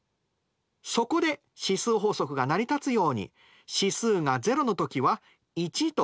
そこで指数法則が成り立つように指数が０の時は１と定めているんです。